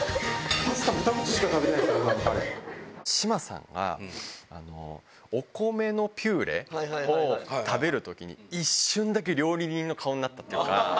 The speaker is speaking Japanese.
パスタ２口しか食べてないで志麻さんがお米のピューレを食べるときに、一瞬だけ料理人の顔になったっていうか。